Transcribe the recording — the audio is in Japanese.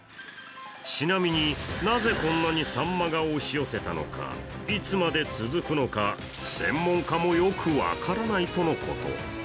ちなみに、なぜこんなにさんまが押し寄せたのかいつまで続くのか、専門家もよく分からないとのこと。